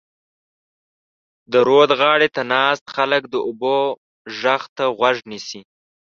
د رود غاړې ته ناست خلک د اوبو غږ ته غوږ نیسي.